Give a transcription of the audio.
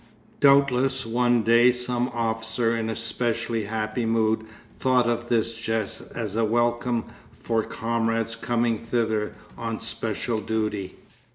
Doubtless one day some officer in a specially happy mood thought of this jest as a welcome for comrades coming thither on special duty.